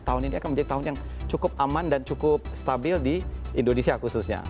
tahun ini akan menjadi tahun yang cukup aman dan cukup stabil di indonesia khususnya